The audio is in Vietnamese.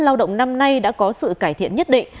lao động năm nay đã có sự cải thiện nhất định